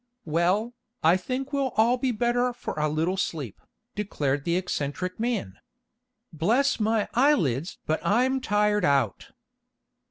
"Well, I think we'll all be better for a little sleep," declared the eccentric man. "Bless my eyelids but I'm tired out."